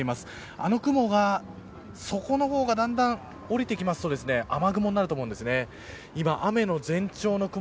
あの雲が底の方がだんだん降りてくると雨雲になると思うんですね。